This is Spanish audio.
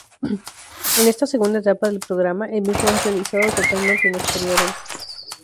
En esta segunda etapa del programa, el mismo es realizado totalmente en exteriores.